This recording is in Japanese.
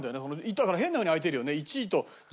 だから変なふうに開いてるよね。